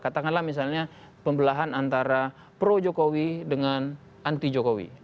katakanlah misalnya pembelahan antara pro jokowi dengan anti jokowi